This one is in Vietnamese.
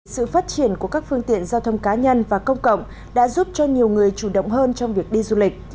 sự phát triển của các phương tiện giao thông cá nhân và công cộng đã giúp cho nhiều người chủ động hơn trong việc đi du lịch